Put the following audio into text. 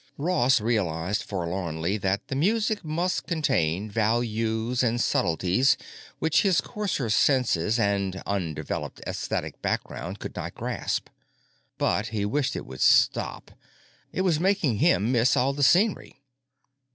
_" Ross realized forlornly that the music must contain values and subtleties which his coarser senses and undeveloped esthetic background could not grasp. But he wished it would stop. It was making him miss all the scenery.